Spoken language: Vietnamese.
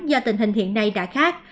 do tình hình hiện nay đã khác